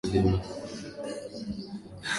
Unaweza kulima.